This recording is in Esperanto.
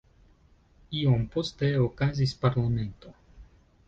Iom poste okazis parlamento.